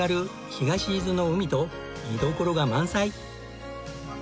東伊豆の海と見どころが満載。